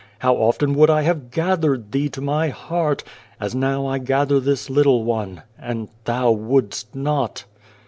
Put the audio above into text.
How often would I have gathered thee to My heart, as now I gather this little one, and thou wouldst not.